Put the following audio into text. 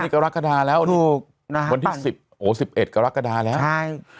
นี่กรกฎาแล้วถูกนะฮะวันที่สิบโอ้สิบเอ็ดกรกฎาแล้วใช่